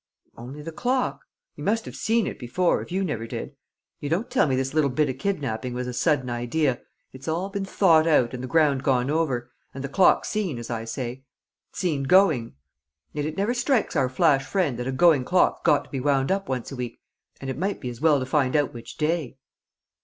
"Only the clock. He must've seen it before, if you never did; you don't tell me this little bit o' kidnapping was a sudden idea! It's all been thought out and the ground gone over, and the clock seen, as I say. Seen going. Yet it never strikes our flash friend that a going clock's got to be wound up once a week, and it might be as well to find out which day!"